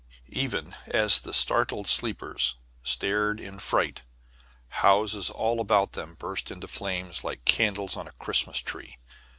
Even as the startled sleepers stared in fright, houses all about them burst into flames like candles on a Christmas tree.